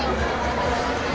yang berapa sih